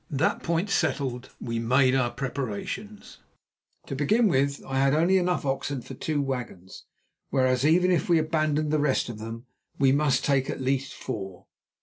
That point settled, we made our preparations. To begin with, I had only enough oxen for two wagons, whereas, even if we abandoned the rest of them, we must take at least four.